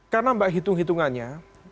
karena mbak hitung hitungannya